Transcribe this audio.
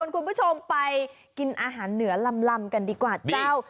คุณผู้ชมไปกินอาหารเหนือลำกันดีกว่าเจ้า